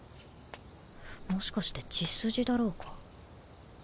もしかして血筋だろうか？